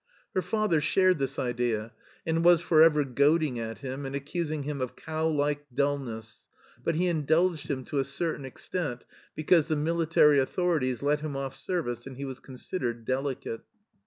Her father shared this idea, and was for ever goading at him and accusing him of cow like dullness, but he indulged him to a certain extent because the military authorities let him off service and he was considered delicate.